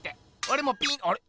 おれもピーあれ？